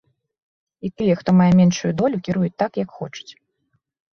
І тыя, хто мае меншую долю, кіруюць так, як хочуць.